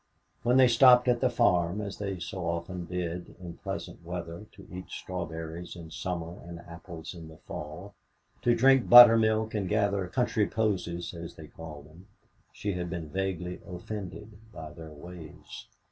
When they stopped at the farm, as they so often did in pleasant weather to eat strawberries in summer and apples in the fall, to drink buttermilk and gather "country posies," as they called them, she had been vaguely offended by their ways.